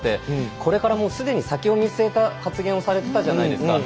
これからすでに先を見据えた発言をされていたじゃないですか。